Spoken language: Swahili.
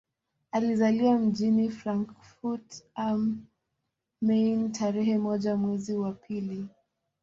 Alizaliwa mjini Frankfurt am Main tarehe moja mwezi wa pili